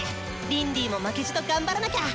リンディも負けじと頑張らなきゃ。